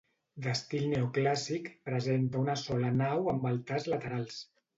D'estil neoclàssic presenta una sola nau amb altars laterals.